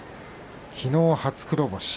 きのう、初黒星。